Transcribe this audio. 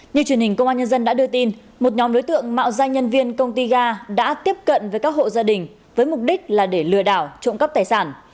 như truyền hình công an nhân dân đã đưa tin một nhóm đối tượng mạo danh nhân viên công ty ga đã tiếp cận với các hộ gia đình với mục đích là để lừa đảo trộm cắp tài sản